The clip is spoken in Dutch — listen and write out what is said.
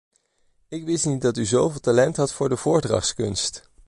Ik wist niet dat u zoveel talent had voor de voordrachtskunst.